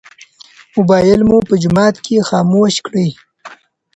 موبایل مو په جومات کې خاموش کړئ.